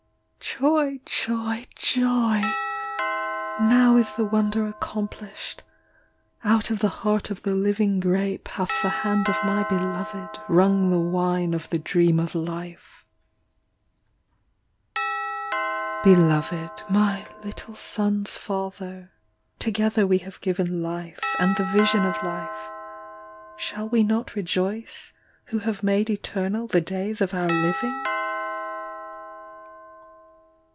Joy! Joy! Joy! Now is the wonder accomplished; Out of the heart of the living grape Hath the hand of my beloved Wrung the wine of the dream of life, Beloved, My little son s father, 25 Together we have given life, And the vision of life; Shall we not rejoice Who have made eternal The days of our living?